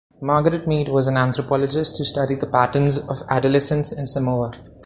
Margaret Mead was an anthropologist who studied the patterns of adolescence in Samoa.